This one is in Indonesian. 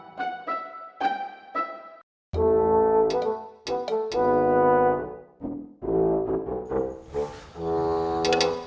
jadi baru aku akan